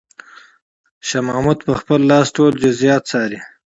شاه محمود په خپله لاس ټول جزئیات څاري.